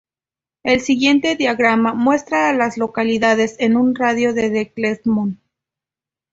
El siguiente diagrama muestra a las localidades en un radio de de Clemson.